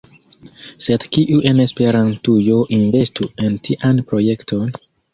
Sed kiu en Esperantujo investu en tian projekton?